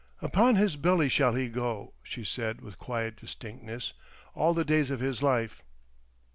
"Upon his belly shall he go," she said with quiet distinctness, "all the days of his life."